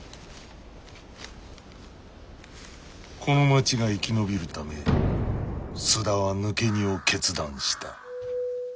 この町が生き延びるため周田は抜荷を決断した。